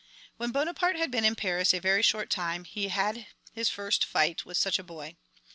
When Bonaparte had been in Paris a very short time he had his first fight with such a boy.